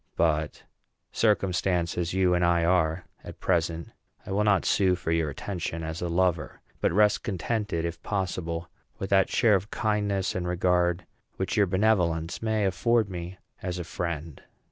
But, circumstanced as you and I are at present, I will not sue for your attention as a lover, but rest contented, if possible, with that share of kindness and regard which your benevolence may afford me as a friend."